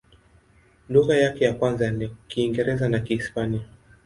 Lugha yake ya kwanza ni Kiingereza na Kihispania.